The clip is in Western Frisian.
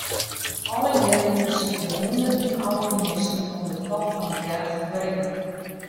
Alle jierren besykje hûnderten alpinisten om de top fan 'e berch te berikken.